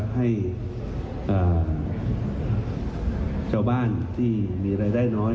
ให้ชาวบ้านที่มีรายได้น้อย